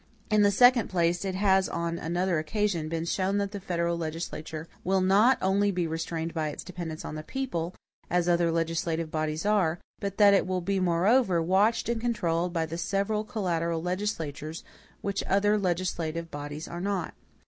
In the second place, it has, on another occasion, been shown that the federal legislature will not only be restrained by its dependence on its people, as other legislative bodies are, but that it will be, moreover, watched and controlled by the several collateral legislatures, which other legislative bodies are not.